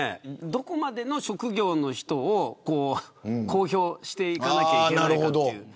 どこまでの職業の人を公表していかなければいけないのか。